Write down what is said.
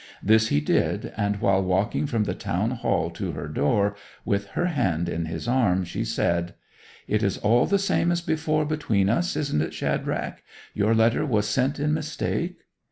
This he did, and while walking from the Town Hall to her door, with her hand in his arm, she said: 'It is all the same as before between us, isn't it, Shadrach? Your letter was sent in mistake?